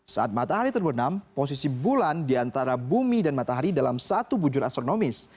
saat matahari terbenam posisi bulan di antara bumi dan matahari dalam satu bujur astronomis